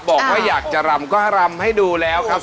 บอกว่าอยากจะรำก็รำให้ดูแล้วครับ